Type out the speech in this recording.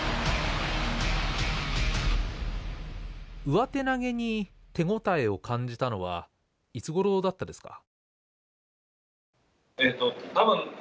上手投げに手応えを感じたのはいつごろだったですか？